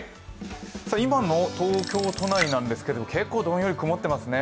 今の東京都内なんですけど、どんより曇ってますね。